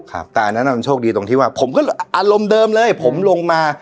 แต่อันนั้นมันโชคดีตรงที่ว่าผมก็อารมณ์เดิมเลยผมลงมา